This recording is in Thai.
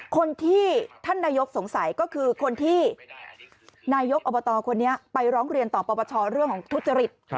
คนที่ท่านนายกสงสัยก็คือคนที่นายกอบตคนนี้ไปร้องเรียนต่อปปชเรื่องของทุจริต